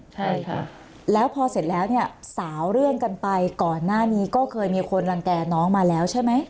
ใช่ค่ะแล้วพอเสร็จแล้วเนี่ยสาวเรื่องกันไปก่อนหน้านี้ก็เคยมีคนรังแก่น้องมาแล้วใช่ไหม